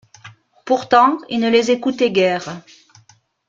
Pourtant, il ne les écoutait guère.